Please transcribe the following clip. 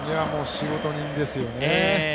仕事人ですよね。